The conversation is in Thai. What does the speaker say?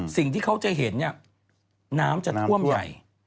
สิ่งที่เขาจะเห็นเนี่ยน้ำจะท่วมใหญ่